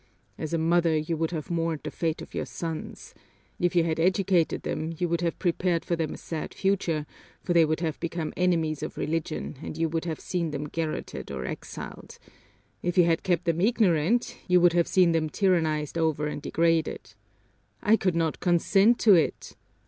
As a mother you would have mourned the fate of your sons: if you had educated them, you would have prepared for them a sad future, for they would have become enemies of Religion and you would have seen them garroted or exiled; if you had kept them ignorant, you would have seen them tyrannized over and degraded. I could not consent to it!